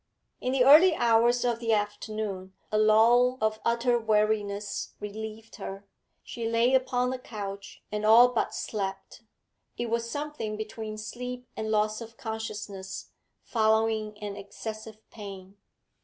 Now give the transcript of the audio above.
In the early hours of the afternoon a lull of utter weariness relieved her; she lay upon the couch and all but slept; it was something between sleep and loss of consciousness following on excessive pain.